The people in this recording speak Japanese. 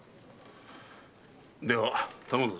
では頼む。